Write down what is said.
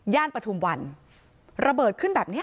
ปฐุมวันระเบิดขึ้นแบบเนี้ย